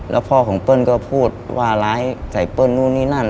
แล้วพ่อของเปิ้ลก็พูดว่าร้ายใส่เปิ้ลนู่นนี่นั่น